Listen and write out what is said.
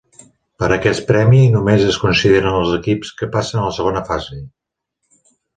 Per a aquest premi, només es consideren als equips que passen a la segona fase.